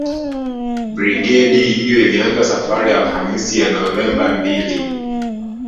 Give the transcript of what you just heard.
Brigedi hiyo ilianza safari Alhamisi ya Novemba mbili